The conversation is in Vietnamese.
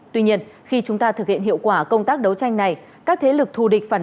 tuy nhiên khi chúng ta thực hiện hiệu quả công tác đấu tranh này các thế lực thù địch phản